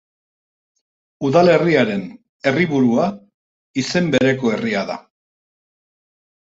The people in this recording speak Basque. Udalerriaren herriburua izen bereko herria da.